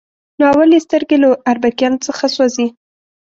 نو اول یې سترګې له اربکیانو څخه سوځي.